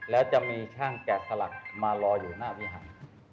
แล้วจะมีช่างแกะสลักมารออยู่หน้าวิหาร